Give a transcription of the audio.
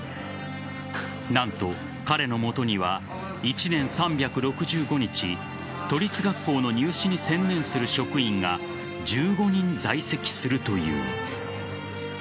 何と彼のもとには１年３６５日都立学校の入試に専念する職員が１５人在籍するという。